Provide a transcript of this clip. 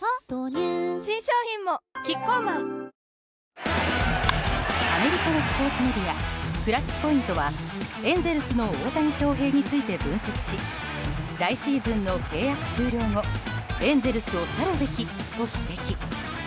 新商品もキッコーマンアメリカのスポーツメディアクラッチポイントはエンゼルスの大谷翔平について分析し来シーズンの契約終了後エンゼルスを去るべきと指摘。